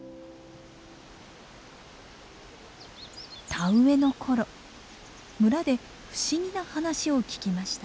田植えの頃村で不思議な話を聞きました。